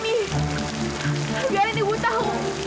biarin ibu tahu